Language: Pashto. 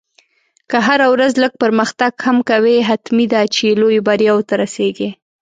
که هره ورځ لږ پرمختګ هم کوې، حتمي ده چې لویو بریاوو ته رسېږې.